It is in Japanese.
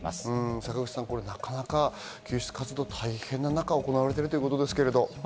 坂口さん、救出活動が大変な中、行われているということですけど。